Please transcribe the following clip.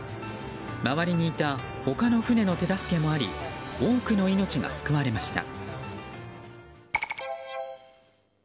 周りにいた他の船の手助けもあり多くの命が救われました。